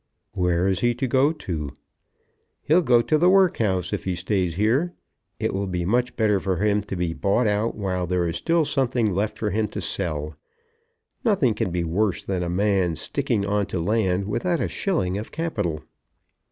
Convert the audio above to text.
"Where's he to go to?" "He'll go to the workhouse if he stays here. It will be much better for him to be bought out while there is still something left for him to sell. Nothing can be worse than a man sticking on to land without a shilling of capital."